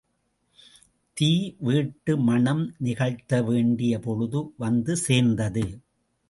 தீ வேட்டு மணம் நிகழ்த்தவேண்டிய பொழுதும் வந்து சேர்ந்தது.